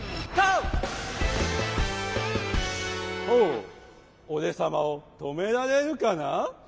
ほうおれさまをとめられるかな？